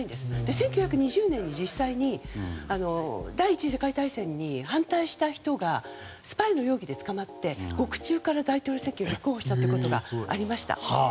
１９２０年に実際に第１次世界大戦に反対した人がスパイの容疑で捕まって獄中から大統領選挙に立候補したことがありました。